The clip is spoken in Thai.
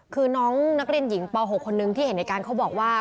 คือน้องนักเรียนหญิงป๖คนนึงที่เห็นในการเขาบอกว่า